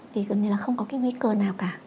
thì gần như là không có cái nguy cơ nào cả